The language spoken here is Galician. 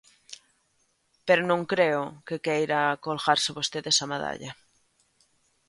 Pero non creo que queira colgarse vostede esa medalla.